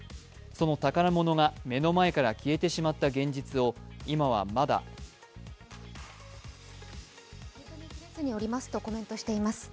その宝物が目の前から消えてしまった現実を今はまだ受け止めきれずにおりますとコメントしています。